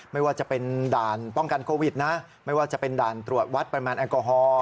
ไม่ว่าจะเป็นด่านป้องกันโควิดนะไม่ว่าจะเป็นด่านตรวจวัดปริมาณแอลกอฮอล์